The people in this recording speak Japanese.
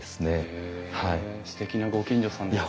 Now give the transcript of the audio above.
へえすてきなご近所さんですね。